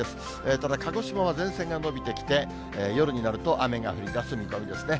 ただ鹿児島は前線が延びてきて、夜になると雨が降りだす見込みですね。